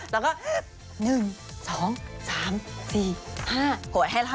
แล้วก็หนึ่งสองสามสี่ห้า